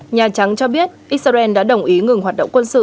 nhà trắng cho biết israel đã đồng ý ngừng hoạt động quân sự